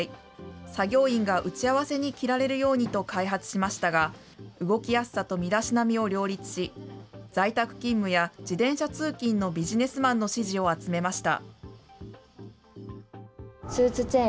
作業員が打ち合わせに切られるようにと開発しましたが、動きやすさと身だしなみを両立し、在宅勤務や自転車通勤のビジネスマンの支持を集めました。